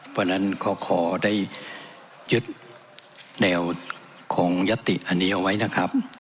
เพราะฉะนั้นขอได้ยึดแนวของยติอันนี้เอาไว้นะครับ